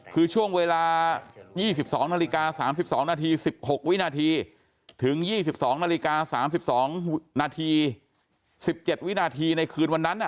คือช่วงเวลา๒๒นาฬิกา๓๒นาที๑๖วินาทีถึง๒๒นาฬิกา๓๒นาที๑๗วินาทีในคืนวันนั้น